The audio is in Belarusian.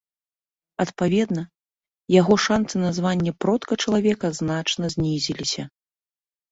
Адпаведна яго шанцы на званне продка чалавека значна знізіліся.